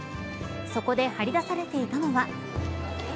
そこで貼り出されていたのは。